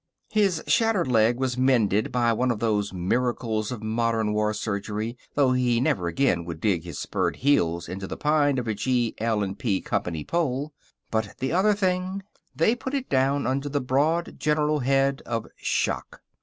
His shattered leg was mended by one of those miracles of modern war surgery, though he never again would dig his spurred heels into the pine of a G. L. & P. Company pole. But the other thing they put it down under the broad general head of shock.